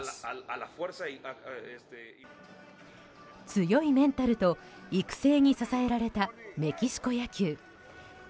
強いメンタルと育成に支えられたメキシコ野球。